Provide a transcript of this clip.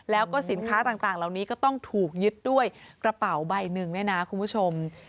แล้วก็สินค้าต่างเหล่านี้ก็ต้องถูกยึดด้วยกระเป๋าใบหนึ่งเนี่ยนะคุณผู้ชม